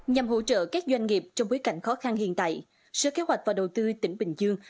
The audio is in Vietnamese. nhằm hỗ trợ các doanh nghiệp trong bối cảnh khó khăn hiện tại sở kế hoạch và đầu tư tỉnh bình dương